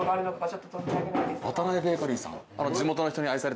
「渡邊ベーカリー」さん。